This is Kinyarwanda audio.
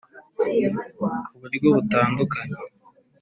ku buryo butandukanye